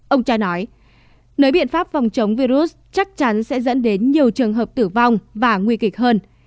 ông cha nói nếu biện pháp phòng chống virus chắc chắn sẽ dẫn đến nhiều trường hợp tử vong và nguy kịch hơn